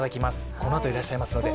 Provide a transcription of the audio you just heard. このあといらっしゃいますので。